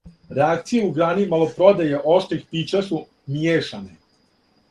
Реакције у грани малопродаје оштрих пића су мијешане.